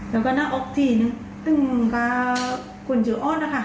แล้วก็น่าออกที่นึงต้องการคุณช่วยอ้อนนะค่ะ